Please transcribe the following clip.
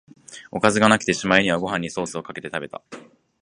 おかずがなくて、しまいにはご飯にソースかけて食べた